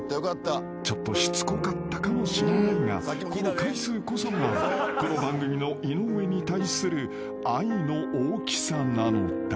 ［ちょっとしつこかったかもしれないがこの回数こそがこの番組の井上に対する愛の大きさなのだ］